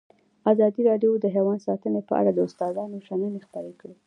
ازادي راډیو د حیوان ساتنه په اړه د استادانو شننې خپرې کړي.